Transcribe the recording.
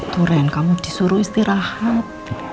turen kamu disuruh istirahat